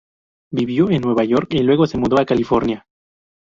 Vivió en Nueva York y luego se mudó a California.